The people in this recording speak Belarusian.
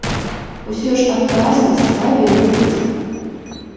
Усё ж адказнасць павінна быць.